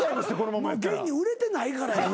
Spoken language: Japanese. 現に売れてないからやな。